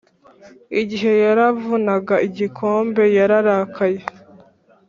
igihe yaravunaga igikombe, yararakaye.